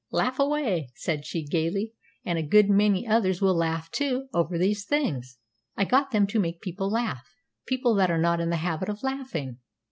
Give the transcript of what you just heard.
"Laugh away," said she, gayly; "and a good many others will laugh, too, over these things. I got them to make people laugh people that are not in the habit of laughing!"